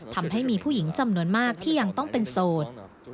ทำให้มีผู้หญิงจำนวนมากที่ยังต้องเป็นโสด